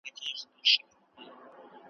وریجې په ډېرو سیمو کې خوړل کېږي.